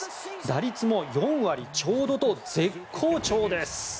打率も４割ちょうどと絶好調です！